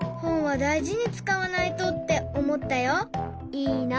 いいな。